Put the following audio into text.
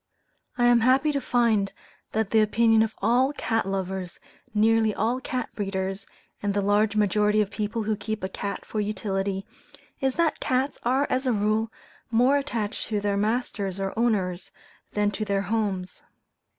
I am happy to find that the opinion of all cat lovers, nearly all cat breeders, and the large majority of people who keep a cat for utility, is that cats are as a rule more attached to their masters or owners than to their homes.